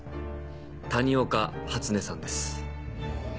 谷岡初音さんです。